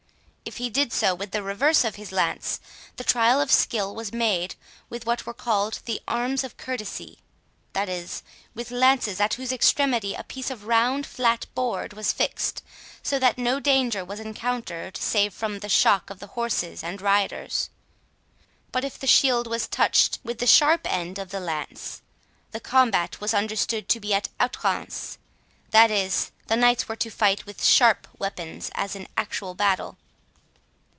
If he did so with the reverse of his lance, the trial of skill was made with what were called the arms of courtesy, that is, with lances at whose extremity a piece of round flat board was fixed, so that no danger was encountered, save from the shock of the horses and riders. But if the shield was touched with the sharp end of the lance, the combat was understood to be at "outrance", that is, the knights were to fight with sharp weapons, as in actual battle.